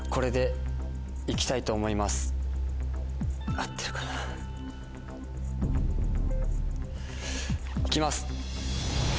合ってるかな。いきます！